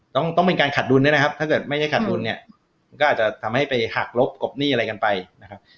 ต้องต้องเป็นการขาดดุลด้วยนะครับถ้าเกิดไม่ใช่ขาดดุลเนี่ยมันก็อาจจะทำให้ไปหักลบกบหนี้อะไรกันไปนะครับ